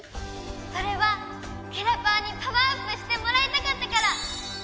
それはキラパワにパワーアップしてもらいたかったから！